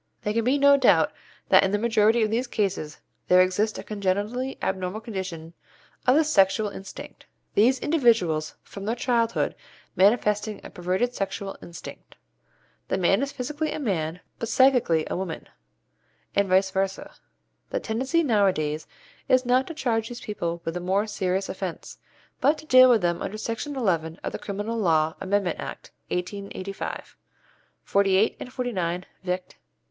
There can be no doubt that in the majority of these cases there exists a congenitally abnormal condition of the sexual instinct, these individuals from their childhood manifesting a perverted sexual instinct. The man is physically a man, but psychically a woman, and vice versâ. The tendency nowadays is not to charge these people with the more serious offence, but to deal with them under Section 11 of the Criminal Law Amendment Act, 1885 (48 and 49 Vict.